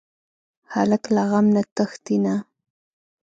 هلک له غم نه تښتېږي نه.